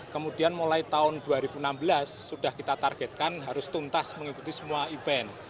kemudian mulai tahun dua ribu enam belas sudah kita targetkan harus tuntas mengikuti semua event